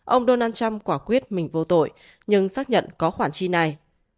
ông donald trump quả quyết mình vô tội nhưng xác nhận có khoản chi này